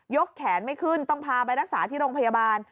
กแขนไม่ขึ้นต้องพาไปรักษาที่โรงพยาบาล